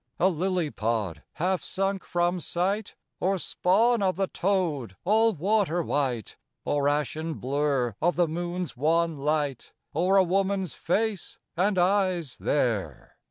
A lily pod, half sunk from sight? Or spawn of the toad, all water white? Or ashen blur of the moon's wan light? Or a woman's face and eyes there?